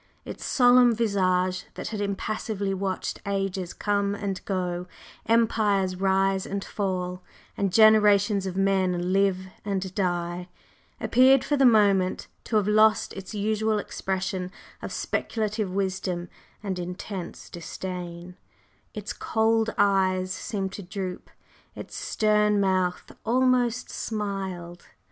Its solemn visage that had impassively watched ages come and go, empires rise and fall, and generations of men live and die, appeared for the moment to have lost its usual expression of speculative wisdom and intense disdain its cold eyes seemed to droop, its stern mouth almost smiled.